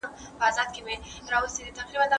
زه په دې ښار کې د تېرو دوو میاشتو راهیسې یم.